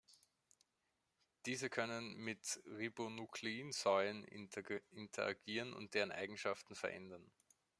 Diese können mit Ribonukleinsäuren interagieren und deren Eigenschaften verändern.